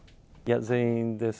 全員です。